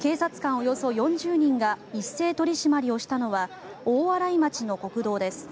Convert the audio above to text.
およそ４０人が一斉取り締まりをしたのは大洗町の国道です。